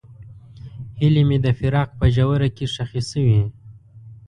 هیلې مې د فراق په ژوره کې ښخې شوې.